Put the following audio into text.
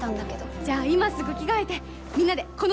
じゃあ今すぐ着替えてみんなで『このすば』になろう！